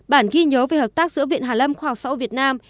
bản ghi nhớ về hợp tác giữa viện hà lâm khoa học sẫu việt nam